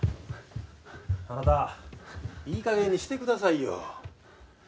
あなたいい加減にしてくださいよ。